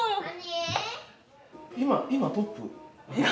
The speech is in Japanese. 今今トップ？